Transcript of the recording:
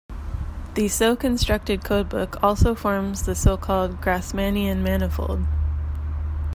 The so-constructed codebook also forms the so-called Grassmannian manifold.